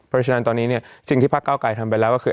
เพราะฉะนั้นตอนนี้เนี่ยสิ่งที่พระเก้าไกรทำไปแล้วก็คือ